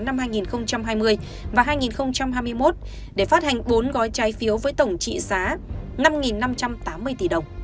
năm hai nghìn hai mươi và hai nghìn hai mươi một để phát hành bốn gói trái phiếu với tổng trị giá năm năm trăm tám mươi tỷ đồng